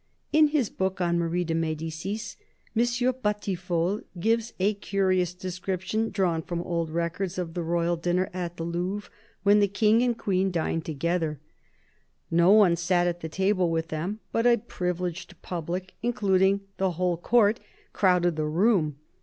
In his book on Marie de Medicis, M. Batiffol gives a curious description, drawn from old records, of the royal dinner at the Louvre when the King and Queen dined together. No one sat at the table with them, but a privileged public, including the whole Court, crowded the room.